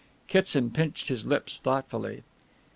Kitson pinched his lips thoughtfully.